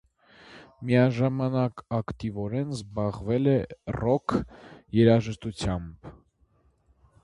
Միաժամանակ ակտիվորեն զբաղվել է ռոք երաժշտությամբ։